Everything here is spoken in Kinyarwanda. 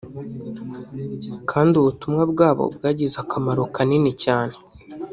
kandi ubutumwa bwabo bwagize akamaro kanini cyane